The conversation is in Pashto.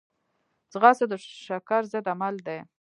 ځغاسته د شکر ضد عمل دی